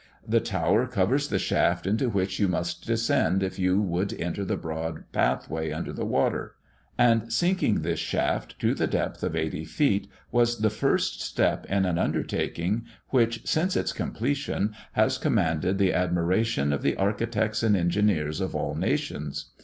The tower covers the shaft into which you must descend if you would enter the broad pathway under the water, and the sinking this shaft to the depth of eighty feet was the first step in an undertaking which, since its completion, has commanded the admiration of the architects and engineers of all nations.